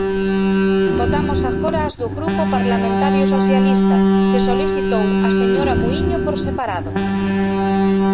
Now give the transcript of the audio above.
Votamos agora as do Grupo Parlamentario Socialista, que solicitou a señora Muíño por separado.